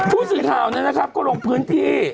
ภูสิเท่านั้นนะครับก็ลงพื้นที่